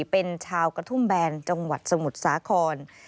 เป็นชาวกระทุ่มแบนจังหวัดสมุทรสาคร